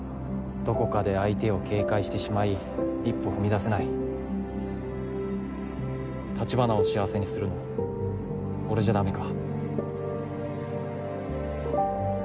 どこかで相手を警戒してしまい一歩踏橘を幸せにするの俺じゃダメか？